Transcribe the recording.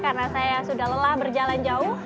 karena saya sudah lelah berjalan jauh